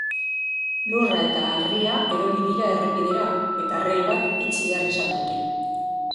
Lurra eta harria erori dira errepidera eta erreil bat itxi behar izan dute.